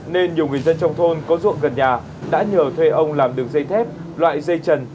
nên nhiều người dân trong thôn có ruộng gần nhà đã nhờ thuê ông làm đường dây thép loại dây trần